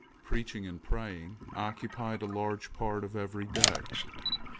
Preaching and praying occupied a large part of every day.